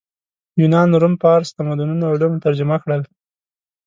یونان روم فارس تمدنونو علوم ترجمه کړل